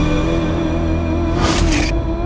jangan sampai aku kemana mana